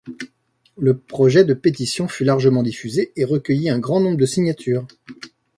Le projet de pétition fut largement diffusé et recueillit un grand nombre de signatures.